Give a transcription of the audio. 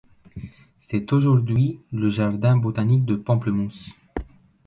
C'est aujourd'hui le jardin botanique de Pamplemousses.